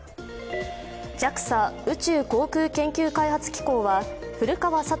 ＪＡＸＡ＝宇宙航空研究開発機構は古川聡